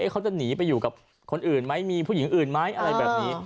เขาจะหนีไปอยู่กับคนอื่นไหมมีผู้หญิงอื่นไหมอะไรแบบนี้